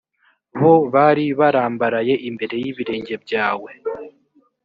bo bari barambaraye imbere y’ibirenge byawe